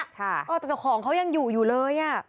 แต่เจ้าของเขายังอยู่อยู่เลย